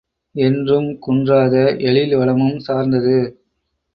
என்றும் குன்றாத எழில்வளமும் சார்ந்தது.